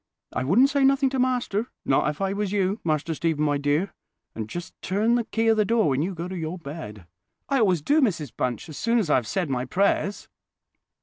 I wouldn't say nothing to master, not if I was you, Master Stephen, my dear; and just turn the key of the door when you go to your bed." "I always do, Mrs Bunch, as soon as I've said my prayers."